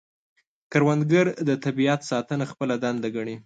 کروندګر د طبیعت ساتنه خپله دنده ګڼي